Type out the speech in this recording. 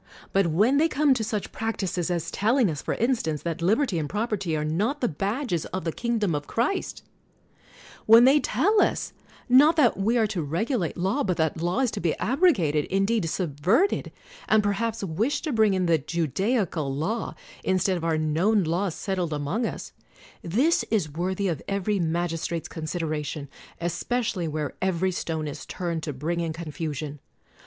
But when they come to such practises as telling us, for in stance, that liberty and property are not the badges of the Kingdom of Christ ; when they tell us, not that we are to regulate law, but that law is to be abrogated, indeed subverted; and per 125 THE WORLD'S FAMOUS ORATIONS haps wish to bring in the Jndaical Law, instead of our known laws settled among us: this is worthy of every magistrate's consideration, es pecially where every stone is turned to bring in confusion.